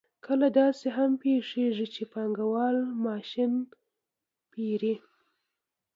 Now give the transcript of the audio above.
کله داسې هم پېښېږي چې پانګوال ماشین پېري